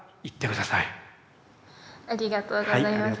ありがとうございます。